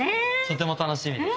とても楽しみです。